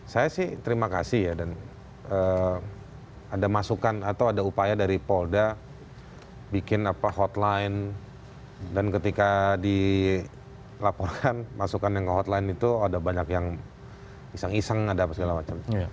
saya sih terima kasih ya dan ada masukan atau ada upaya dari polda bikin hotline dan ketika dilaporkan masukan yang ke hotline itu ada banyak yang iseng iseng ada apa segala macam